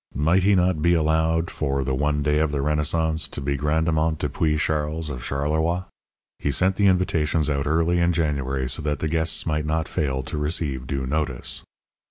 Might he not be allowed, for the one day of the renaissance, to be "Grandemont du Puy Charles, of Charleroi"? He sent the invitations out early in January so that the guests might not fail to receive due notice.